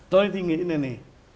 tôi thì nghĩ thế này